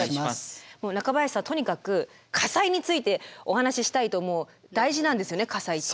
中林さんとにかく火災についてお話ししたいともう大事なんですよね火災って。